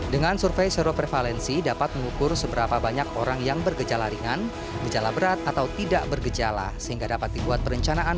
dengan survei seroprevalensi dapat mengukur seberapa banyak orang yang bergejala ringan gejala berat atau tidak bergejala sehingga dapat dibuat perencanaan